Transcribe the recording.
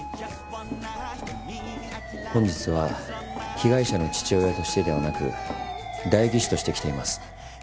本日は被害者の父親としてではなく代議士として来ています。